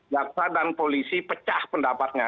jaksa dan polisi pecah pendapatnya